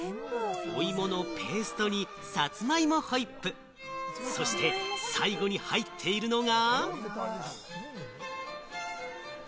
お芋のペーストにさつまいもホイップ、そして、最後に入っているのが。